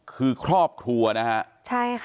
คือครอบครัวนะฮะ